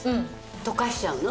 溶かしちゃうの？